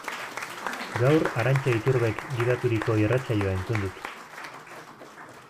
Gaur Arantxa Iturbek gidaturiko irratsaioa entzun dut.